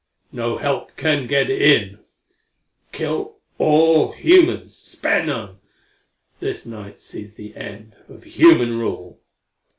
No help can get in! Kill all humans! Spare none! This night sees the end of human rule!